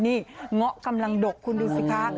นี่เงาะกำลังดกคุณดูสิคะ